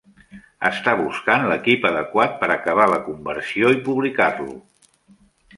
Estan buscant l'equip adequat per acabar la conversió i publicar-lo.